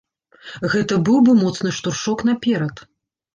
Гэта быў бы моцны штуршок наперад.